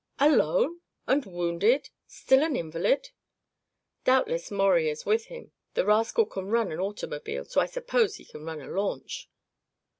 "Alone? And wounded still an invalid?" "Doubtless Maurie is with him. The rascal can run an automobile; so I suppose he can run a launch."